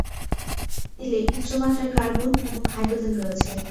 তেলে উচ্চমাত্রার কার্বন এবং হাইড্রোজেন রয়েছে।